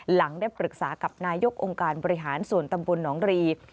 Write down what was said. หลังได้ปรึกษากับนายกองค์การบริหารส่วนตำบลหนองรี